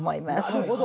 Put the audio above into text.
なるほど。